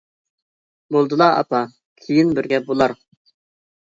-بولدىلا ئاپا، كېيىن بىر گەپ بولار.